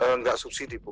enggak subsidi bu